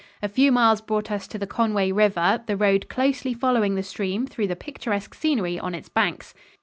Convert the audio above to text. A few miles brought us to the Conway River, the road closely following the stream through the picturesque scenery on its banks.